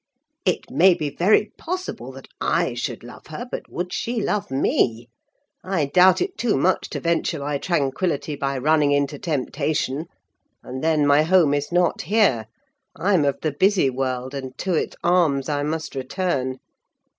"It may be very possible that I should love her; but would she love me? I doubt it too much to venture my tranquillity by running into temptation: and then my home is not here. I'm of the busy world, and to its arms I must return.